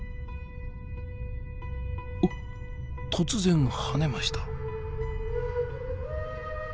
あっ突然跳ねました。